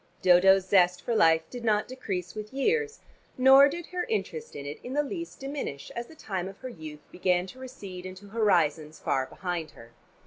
Dodo's zest for life did not decrease with years, nor did her interest in it in the least diminish as the time of her youth began to recede into horizons far behind her.